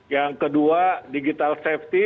yang kedua digital safety